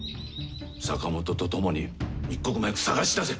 坂本と共に一刻も早く探し出せ！